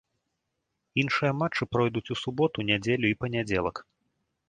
Іншыя матчы пройдуць у суботу, нядзелю і панядзелак.